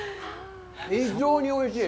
非常においしい！